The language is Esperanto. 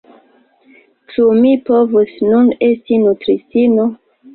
ĉu mi povus nun esti nutristino?